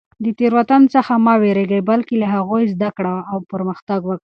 د تېروتنو څخه مه وېرېږه، بلکې له هغوی زده کړه او پرمختګ وکړه.